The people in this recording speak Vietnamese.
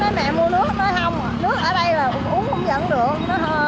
nói mẹ mua nước nói không nước ở đây là uống không dẫn được